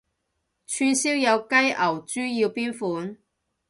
串燒有雞牛豬要邊款？